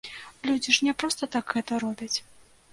Людзі ж не проста так гэта робяць.